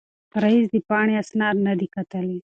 رییس د پاڼې اسناد نه دي کتلي.